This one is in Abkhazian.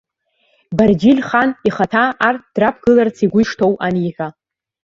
Барџьиль-хан ихаҭа ар драԥгыларц игәы ишҭоу аниҳәа.